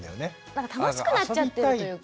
なんか楽しくなっちゃってるというか。